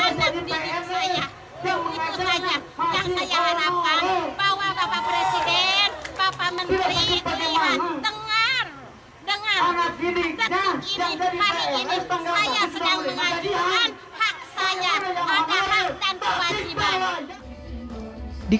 yang saya lihat dengar dengar